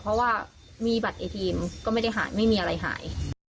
เพราะว่ามีบัตรไอทีมก็ไม่ได้หายไม่มีอะไรหาย